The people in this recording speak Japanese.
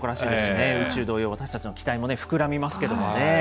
宇宙同様、私たちの期待も膨らみますけどもね。